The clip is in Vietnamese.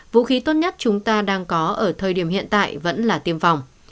vũ khí tốt nhất chúng ta đang có ở thời điểm hiện tại vẫn là tiêm phòng